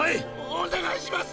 お願いします！